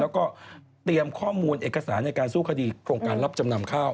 แล้วก็เตรียมข้อมูลเอกสารในการสู้คดีโครงการรับจำนำข้าว